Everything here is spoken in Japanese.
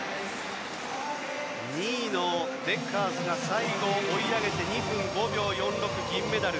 ２位のデッカーズが最後追い上げて２分５秒４６で銀メダル。